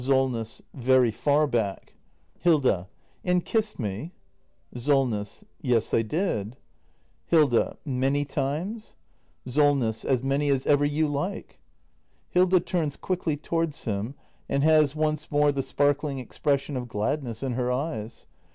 Solness. Very far back. And kissed me ? Yes, I did. Many times ? Hilda. Solness. Hilda. Solness. As many as ever you like. Hilda. [Turns quickly toioards him and has once more the sparkling expression of gladness in her eyes.